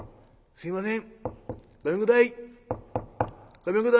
相すいません。